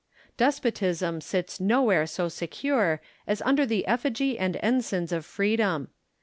Despotism sits nowhere so secure as under the effigy and ensigns of Preedom.